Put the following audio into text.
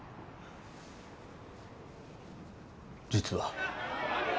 実は。